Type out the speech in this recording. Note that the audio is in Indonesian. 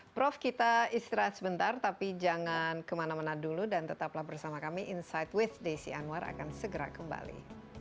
prof kita istirahat sebentar tapi jangan kemana mana dulu dan tetaplah bersama kami insight with desi anwar akan segera kembali